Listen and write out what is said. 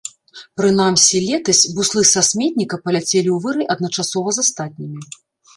Прынамсі летась буслы са сметніка паляцелі ў вырай адначасова з астатнімі.